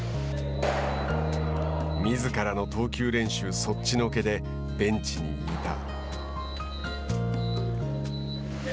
みずからの投球練習そっちのけでベンチにいた。